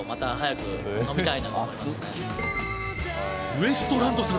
ウエストランドさん